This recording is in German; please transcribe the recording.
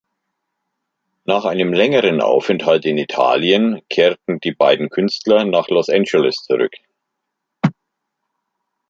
Nach einem längeren Aufenthalt in Italien kehrten die beiden Künstler nach Los Angeles zurück.